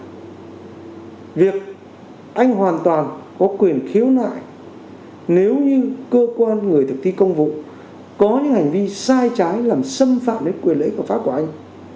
đó là việc anh hoàn toàn có quyền khiếu nại nếu như cơ quan người thực thi công vụ có những hành vi sai trái làm xâm phạm đến quyền lễ của pháp của anh